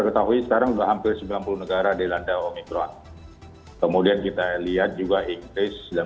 ketahui sekarang sudah hampir sembilan puluh negara dilanda omikron kemudian kita lihat juga inggris dan